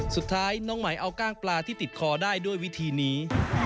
สุดท้ายน้องไหมเอากล้างปลาที่ติดคอได้ด้วยวิธีนี้